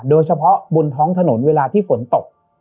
โดยเฉพาะบนท้องถนนเวลาที่ฝนตก